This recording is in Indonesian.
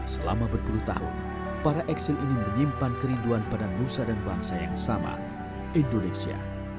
selama berpuluh tahun para eksil ini menyimpan kerinduan pada nusa dan bangsa yang sama indonesia